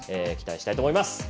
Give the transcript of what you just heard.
期待したいと思います。